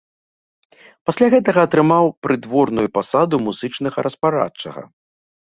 Пасля гэтага атрымаў прыдворную пасаду музычнага распарадчага.